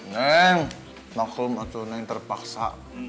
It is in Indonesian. neng maka aku yang terpaksa